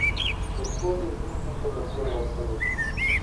د کور یو دروند مشر له کوره وتلی دی.